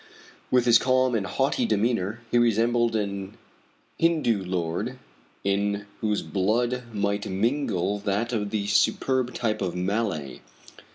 With his calm and haughty demeanor he resembled an Hindoo lord in whose blood might mingle that of some superb type of Malay.